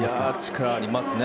力、ありますね。